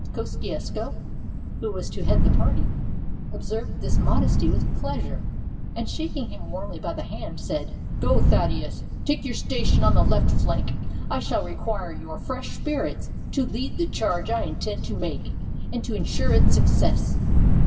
Kosciusko, who was to head the party, observed this modesty with pleasure, and shaking him warmly by the hand, said, " Go, Thad deus; take your station on the left flank; I shall require your fresh spirits to lead the charge I intend to make, and to insure its success."